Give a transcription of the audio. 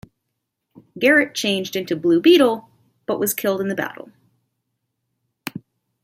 Garrett changed into Blue Beetle, but was killed in the battle.